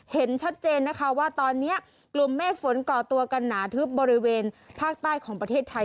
เห็นชัดเจนนะคะว่าตอนนี้กลุ่มเมฆฝนก่อตัวกันหนาทึบบริเวณภาคใต้ของประเทศไทย